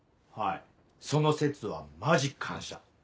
はいその節はマジ感謝。